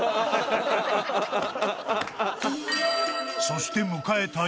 ［そして迎えた］